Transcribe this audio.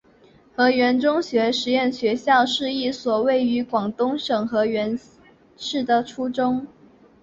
河源中学实验学校是一所位于广东省河源市的初中。